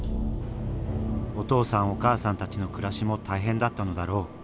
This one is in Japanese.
お父さんお母さんたちの暮らしも大変だったのだろう。